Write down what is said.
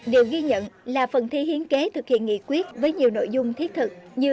điều ghi nhận là phần thi hiến kế thực hiện nghị quyết với nhiều nội dung thiết thực như